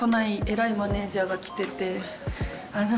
偉いマネジャーが来ててあの。